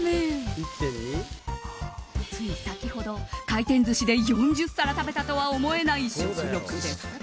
つい先ほど回転寿司で４０皿食べたとは思えない食欲です。